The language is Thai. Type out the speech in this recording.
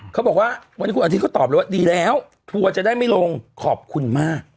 เขาบอกว่าวันนี้คุณอาทิตยเขาตอบเลยว่าดีแล้วทัวร์จะได้ไม่ลงขอบคุณมาก